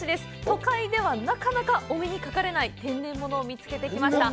都会ではなかなかお目にかかれない天然物を見つけてきました。